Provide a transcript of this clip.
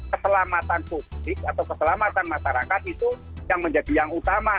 keselamatan publik atau keselamatan masyarakat itu yang menjadi yang utama